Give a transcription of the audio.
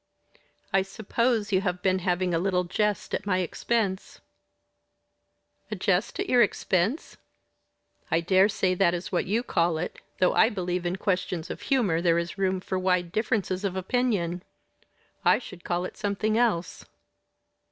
"I suppose you have been having a little jest at my expense." "A jest at your expense?" "I daresay that is what you call it though I believe in questions of humour there is room for wide differences of opinion. I should call it something else."